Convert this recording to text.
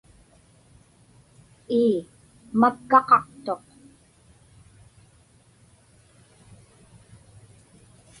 Ii, makkaqaqtuq.